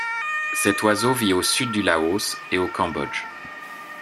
Cet oiseau vit au sud du Laos et au Cambodge.